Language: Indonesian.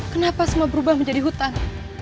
kenapa semua berubah menjadi hutan